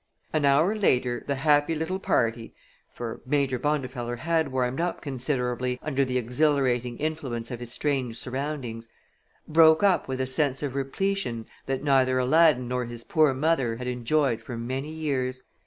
An hour later the happy little party for Major Bondifeller had warmed up considerably under the exhilarating influence of his strange surroundings broke up with a sense of repletion that neither Aladdin nor his poor mother had enjoyed for many years.